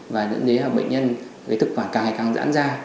và những bệnh nhân với thực quản càng ngày càng dãn ra